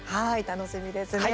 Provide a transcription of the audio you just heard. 楽しみですね